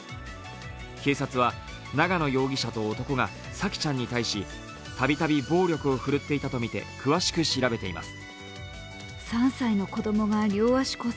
警察は、長野容疑者と男が沙季ちゃんに対したびたび暴力を振るっていたとみて詳しく調べています。